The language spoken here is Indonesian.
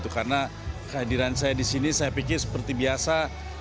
karena kehadiran saya di sini saya pikir seperti biasa